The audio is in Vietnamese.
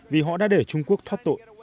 vì họ đã để trung quốc thoát tội